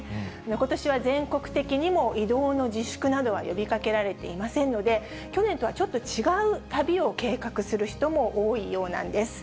ことしは全国的にも移動の自粛などは呼びかけられていませんので、去年とはちょっと違う旅を計画する人も多いようなんです。